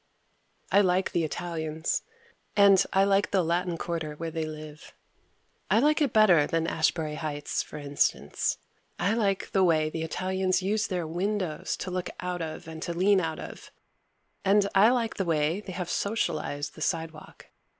I like the Italians and I like the Latin quarter where they live. I like it better than Ashbury Heights for instance. I like the way the Italians use their windows to look out of and to lean out of, and I like the way they have socialized the sidewalk.